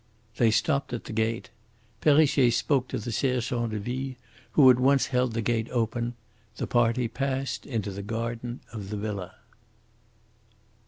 They stopped at the gate. Perrichet spoke to the sergent de ville, who at once held the gate open. The party passed into the garden of the villa.